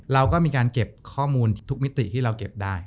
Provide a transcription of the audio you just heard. เราก็มีการเก็บข้อมูลทุกมิติที่เราเก็บได้